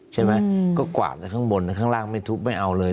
ใช่ไหมก็กวาดแต่ข้างบนแต่ข้างล่างไม่ทุบไม่เอาเลย